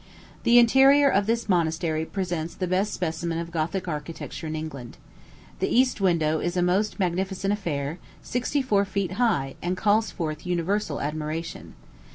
The interior of this monastery presents the best specimen of Gothic architecture in England. The east window is a most magnificent affair, sixty four feet high, and calls forth universal admiration.